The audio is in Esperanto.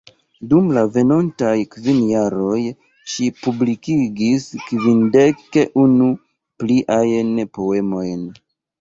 Dum la venontaj kvin jaroj ŝi publikigis kvindek-unu pliajn poemojn.